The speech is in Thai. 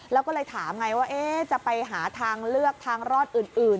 แล้วก็เลยถามไงว่าจะไปหาทางเลือกทางรอดอื่น